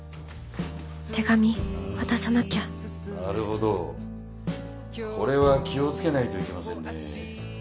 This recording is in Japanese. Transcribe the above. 手紙渡さなきゃなるほどこれは気を付けないといけませんね。